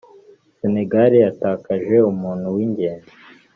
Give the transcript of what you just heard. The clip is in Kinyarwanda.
Senegal yatakaje umuntu w’ingenzi